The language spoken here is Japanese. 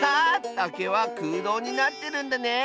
たけはくうどうになってるんだね！